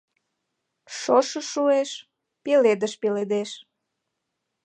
Шошо шуэш, пеледыш пеледеш